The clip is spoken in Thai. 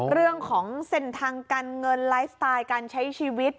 เรื่องของเส้นทางการเงินไลฟ์สไตล์การใช้ชีวิต